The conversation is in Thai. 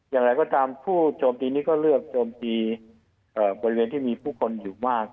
อย่างไรก็ตามผู้โจมตีนี้ก็เลือกโจมตีบริเวณที่มีผู้คนอยู่มาก